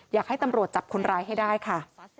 อยากให้ตำรวจจับคนร้ายให้ได้ค่ะ